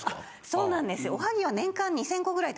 そうなんですよ。え！